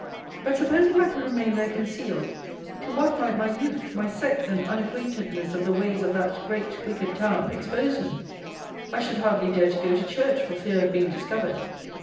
But supposing I could remain there concealed, to what might my youth, my sex, and unacquaintedness of the ways of that great, wicked town, expose me! I should hardly dare to go to church for fear of being discovered.